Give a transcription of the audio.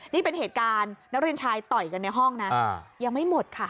นี่เป็นเหตุการณ์นักเรียนชายต่อยกันในห้องนะยังไม่หมดค่ะ